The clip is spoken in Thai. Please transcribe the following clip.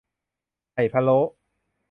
ไข่พะโล้